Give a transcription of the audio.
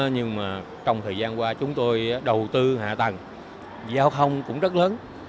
nhưng mà trong thời gian qua chúng tôi đầu tư hạ tầng giao thông cũng rất lớn